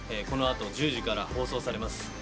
このあと１０時から放送されます